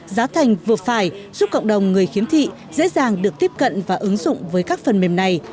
giá thành vừa phải giúp cộng đồng người khiếm thị dễ dàng được tiếp cận và ứng dụng với các phần mềm này